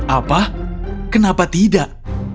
apa kenapa tidak